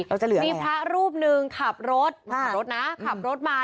เราจะเหลืออะไรนะนี่พระรูปหนึ่งขับรถขับรถนะขับรถมา